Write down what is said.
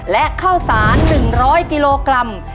และข้าวสาร๑๐๐กิโลกรัม